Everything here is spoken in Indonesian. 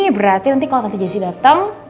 berarti nanti kalau kata jessi datang